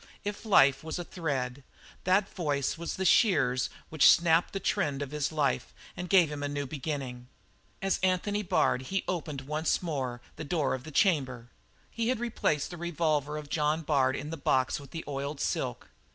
If life was a thread, that voice was the shears which snapped the trend of his life and gave him a new beginning. As Anthony Bard he opened once more the door of the chamber. He had replaced the revolver of John Bard in the box with the oiled silk.